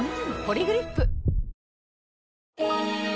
「ポリグリップ」